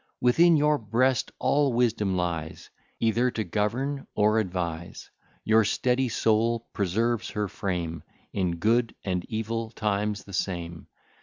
Within your breast all wisdom lies, Either to govern or advise; Your steady soul preserves her frame, In good and evil times, the same.